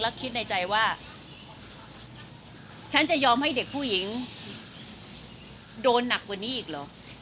แล้วคิดในใจว่าฉันจะยอมให้เด็กผู้หญิงโดนหนักกว่านี้อีกเหรอ